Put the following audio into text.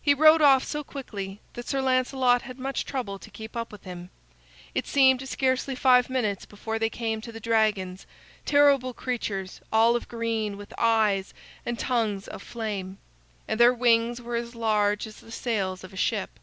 He rode off so quickly that Sir Lancelot had much trouble to keep up with him. It seemed scarcely five minutes before they came to the dragons; terrible creatures, all of green, with eyes and tongues of flame. And their wings were as large as the sails of a ship.